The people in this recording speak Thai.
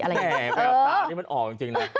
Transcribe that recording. แบบนี้มันออกจริงนะ